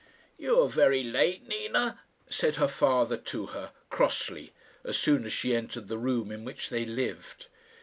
"You are very late, Nina," said her father to her, crossly, as soon as she entered the room in which they lived.